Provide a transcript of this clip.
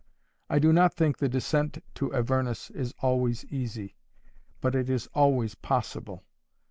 I do not think the descent to Avernus is always easy; but it is always possible.